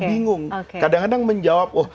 bingung kadang kadang menjawab